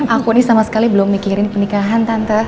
aku ini sama sekali belum mikirin pernikahan tante